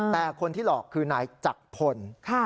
แต่คนที่หลอกคือนายจักรพล